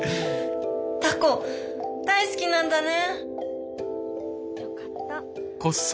タコ大好きなんだね。